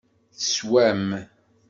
Teswam.